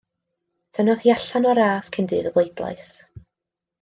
Tynnodd hi allan o'r ras cyn dydd y bleidlais.